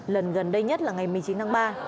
lần gần đây nhất là ngày một mươi chín tháng ba